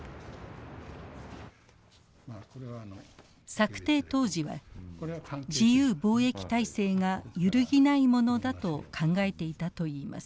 策定当時は自由貿易体制が揺るぎないものだと考えていたといいます。